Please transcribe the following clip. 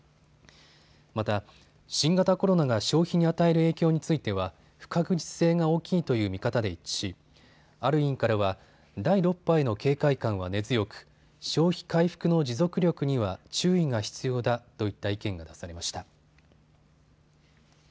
また、新型コロナが消費に与える影響については不確実性が大きいという見方で一致しある委員からは第６波への警戒感は根強く消費回復の持続力には注意が必要だといった意見が出されました。